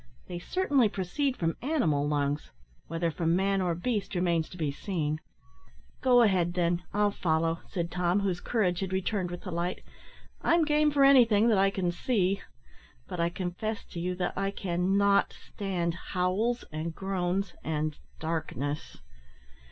They certainly proceed from animal lungs, whether from man or beast remains to be seen." "Go ahead, then, I'll follow," said Tom, whose courage had returned with the light, "I'm game for anything that I can see; but I confess to you that I can not stand howls, and groans and darkness."